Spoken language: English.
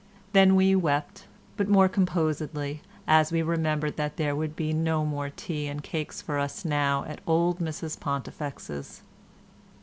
Then we wept, but more composedly, as we remembered that there would be no more tea and cakes for us now at old Mrs Pontifex's.